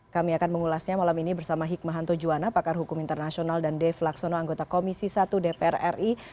kami akan mengulasnya malam ini bersama hikmahanto juwana pakar hukum internasional dan dave laksono anggota komisi satu dpr ri